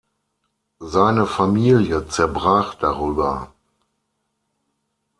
Seine Familie zerbrach darüber.